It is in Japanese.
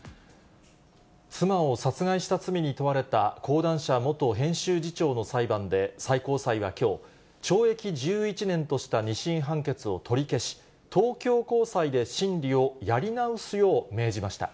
妻を殺害した罪に問われた講談社元編集次長の裁判で最高裁はきょう、懲役１１年とした２審判決を取り消し、東京高裁で審理をやり直すよう命じました。